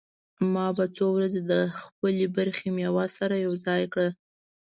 ما به څو ورځې د خپلې برخې مېوه سره يوځاى کړه.